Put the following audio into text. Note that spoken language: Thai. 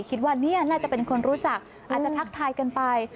คิดว่าเนี่ยน่าจะเป็นคนรู้จักอาจจะทักทายกันไป